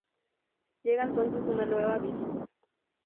Llega entonces una nueva visita.